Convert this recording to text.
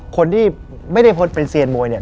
คนที่ไม่ได้เป็นเซียนมวยเนี่ย